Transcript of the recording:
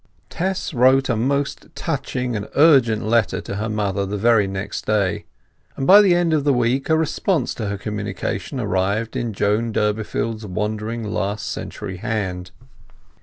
XXXI Tess wrote a most touching and urgent letter to her mother the very next day, and by the end of the week a response to her communication arrived in Joan Durbeyfield's wandering last century hand.